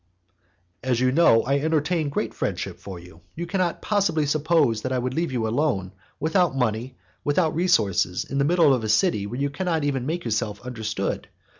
"As you know that I entertain great friendship for you, you cannot possibly suppose that I would leave you alone, without money, without resources in the middle of a city where you cannot even make yourself understood.